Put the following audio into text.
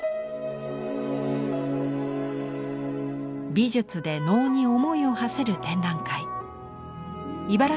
美術で「農」に思いをはせる展覧会。